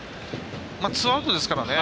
ツーアウトですからね。